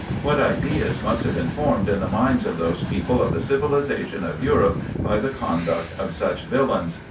What ideas must have been formed in the minds of those people of the civili zation of Europe, by the conduct of such villains